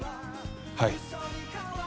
はい。